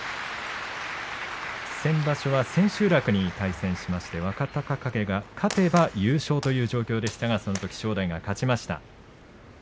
先場所、千秋楽で対戦しまして若隆景が勝てば優勝という状況でそのとき正代が勝ちました。